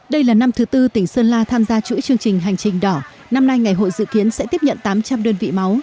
đây là năm thứ tư tỉnh sơn la tham gia chuỗi chương trình hành trình đỏ năm nay ngày hội dự kiến sẽ tiếp nhận tám trăm linh đơn vị máu